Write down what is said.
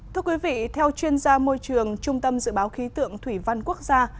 thưa quý vị theo chuyên gia môi trường trung tâm dự báo khí tượng thủy văn quốc gia